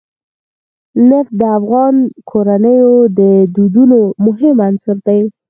نفت د افغان کورنیو د دودونو مهم عنصر دی.